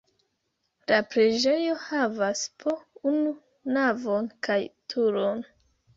La preĝejo havas po unu navon kaj turon.